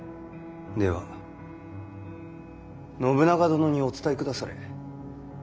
では信長殿にお伝えくだされ。